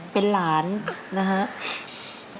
เป็นหลานนะครับ